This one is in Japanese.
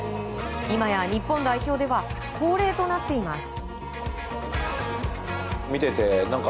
今や日本代表では恒例となっています。